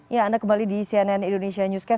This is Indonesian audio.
ya anda kembali di cnn indonesia newscast